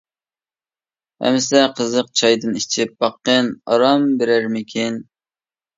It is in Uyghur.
ئەمىسە قىزىق چايدىن ئىچىپ باققىن، ئارام بېرەرمىكىن.